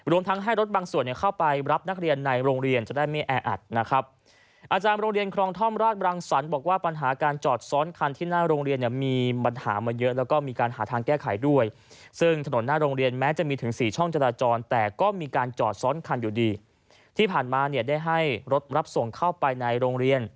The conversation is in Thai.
รวมทั้งให้รถบางส่วนเข้าไปรับนักเรียนในโรงเรียนจะได้ไม่แอ